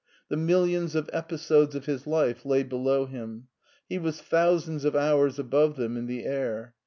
The millions of episodes of his life lay below him. He was thou sands of hours above them in the air.